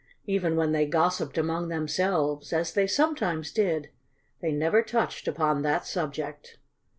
Even when they gossiped among themselves, as they sometimes did, they never touched upon that subject.